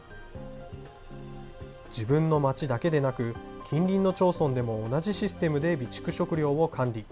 自分の町だけでなく、近隣の町村でも同じシステムで備蓄食料を管理。